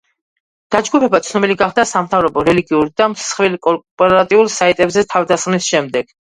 დაჯგუფება ცნობილი გახდა, სამთავრობო, რელიგიურ და მსხვილ კორპორატიულ საიტებზე თავდასხმის შემდეგ.